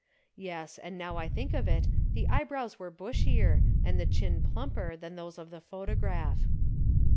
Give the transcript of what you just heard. Yes, and now I think of it, the eyebrows were bushier and the chin plumper than those of the photograph."